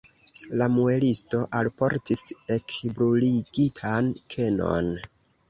La muelisto alportis ekbruligitan kenon.